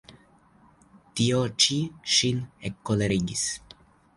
Tio ĉi ŝin ekkolerigis.